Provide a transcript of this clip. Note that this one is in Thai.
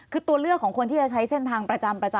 คือตัวเลือกของคนที่จะใช้เส้นทางประจำ